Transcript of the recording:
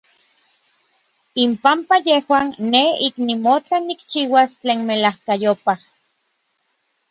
Inpampa yejuan nej ik nimotla nikchiuas tlen melajkayopaj.